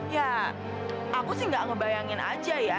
ya aku sih gak ngebayangin aja ya